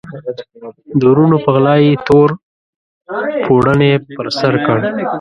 د وروڼو په غلا یې تور پوړنی پر سر کړ.